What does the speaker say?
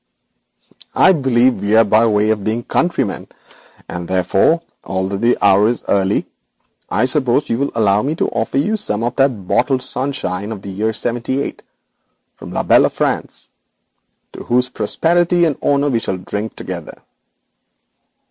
'I believe we are by way of being countrymen, and, therefore, although the hour is early, I hope you will allow me to offer you some of this bottled sunshine of the year '78 from la belle France, to whose prosperity and honour we shall drink together.